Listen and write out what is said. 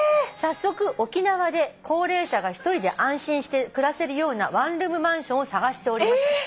「早速沖縄で高齢者が１人で安心して暮らせるようなワンルームマンションを探しております」